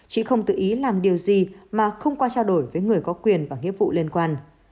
chị không tự ý làm điều gì mà không qua trao đổi với người có quyền và nghĩa vụ liên quan